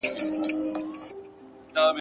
نه پیسې لرم اونه یې درکومه !.